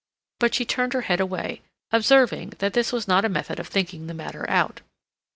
But she turned her head away, observing that this was not a method of thinking the matter out.